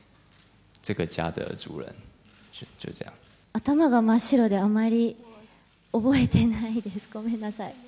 頭が真っ白で、あまり覚えてないです、ごめんなさい。